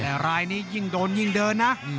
แต่รายนี้ยิ่งโดนยิ่งเดินนะ